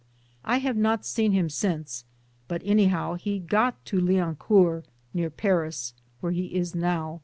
I have not seen him! since, but anyhow, he got to Lianoourt (near Paris) where he now!